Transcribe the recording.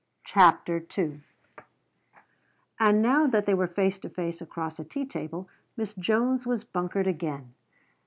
CHAPTER II And now that they were face to face across a tea table Miss Jones was bunkered again.